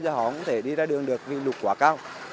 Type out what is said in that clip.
cho họ không thể đi ra đường được vì lục quá cao